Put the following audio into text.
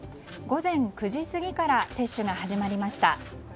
午前９時過ぎから接種が始まりました。